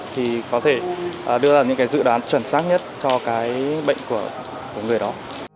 thì có thể đưa ra những cái dự đoán chuẩn xác nhất cho cái bệnh của người đó